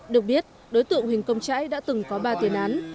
được biết đối tượng huỳnh công trãi đã từng có ba tiền án